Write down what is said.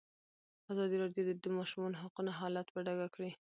ازادي راډیو د د ماشومانو حقونه حالت په ډاګه کړی.